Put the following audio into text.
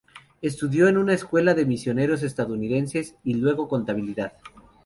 Estudió en una escuela de misioneros estadounidenses, y luego contabilidad.